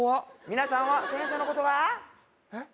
皆さんは先生のことが？えっ？